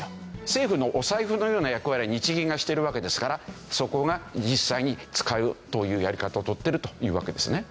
政府のお財布のような役割を日銀がしてるわけですからそこが実際に使うというやり方をとってるというわけですね。